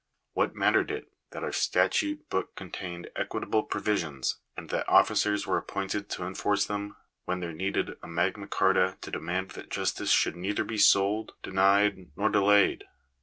What mattered it that our statute book contained equitable provisions, and that officers were appointed to enforce them, when there needed a Magna Gharta to demand that justice should neither be sold, Digitized by VjOOQIC THE DUTY OF THE STATE. 263 denied, nor delayed